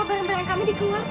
saya sudah selesai